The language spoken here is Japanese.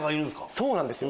そうなんですよ。